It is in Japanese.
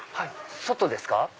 外ですか？